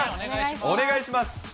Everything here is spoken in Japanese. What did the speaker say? お願いします。